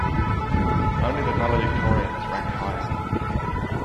Only the valedictorian is ranked higher.